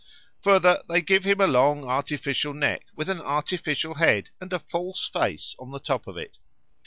Further, they give him a long artificial neck, with an artificial head and a false face on the top of it.